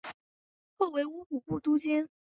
后为乌古部都监。